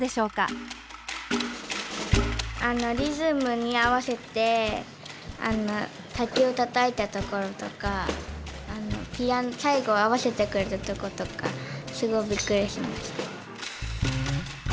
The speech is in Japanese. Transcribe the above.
リズムに合わせて竹をたたいたところとか最後合わせてくれたとことかすごいびっくりしました。